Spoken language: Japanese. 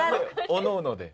おのおので？